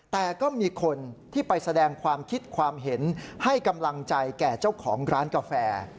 แต่ก็มีคนที่ไปแสดงความคิดความเห็นให้กำลังใจแก่เจ้าของร้านกาแฟ